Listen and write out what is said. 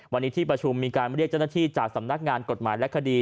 วันนี้ที่ประชุมมีการเรียกเจ้าหน้าที่จากสำนักงานกฎหมายและคดี